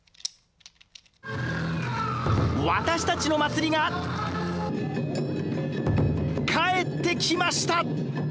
私たちの祭りが帰ってきました！